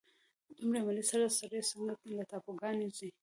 د دومره عملې سره سړی څرنګه له ټاپوګانو ځي.